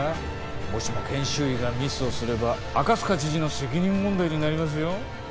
もしも研修医がミスをすれば赤塚知事の責任問題になりますよ